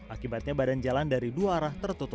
akibatnya badan jalan dari dua arah tertutup